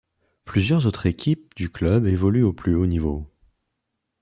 Plusieurs autres équipes du club évoluent au plus haut niveau.